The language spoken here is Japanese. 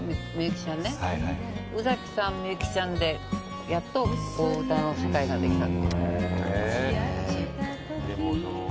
宇崎さんみゆきちゃんでやっと歌の世界ができた。